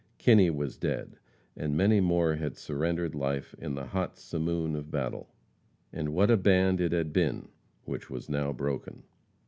Kinney was dead, and many more had surrendered life in the hot simoon of battle. And what a band it had been, which was now broken!